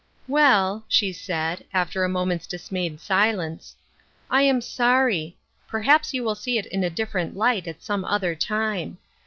" Well," she said, after a moment's dismayed silence, " I am sorry. Perhaps you will see it in a different light at some other time.